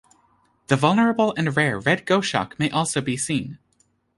The vulnerable and rare red goshawk may also be seen.